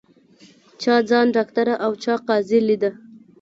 چا ځان ډاکټره او چا قاضي لیده